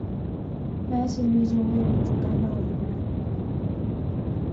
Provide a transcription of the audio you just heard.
Märchensiedlung 位于主干道以南。